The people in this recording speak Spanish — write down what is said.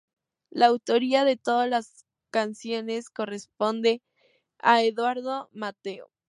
La autoría de todas las canciones corresponde a Eduardo Mateo.